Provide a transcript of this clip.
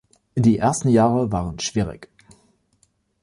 Die ersten Jahre waren schwierig.